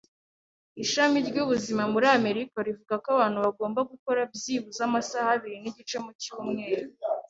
Ishami ry’ubuzima muri Amerika rivuga ko abantu bagomba gukora byibuze amasaha abiri nigice mu cyumweru